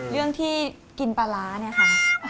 เรื่องที่กินปลาร้าเนี่ยค่ะ